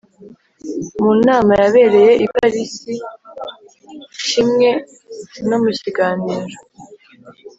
mu nama yabereye i parisi kimwe no mu kiganiro